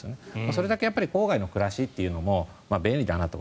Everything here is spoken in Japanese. それだけ郊外の暮らしも便利だなと。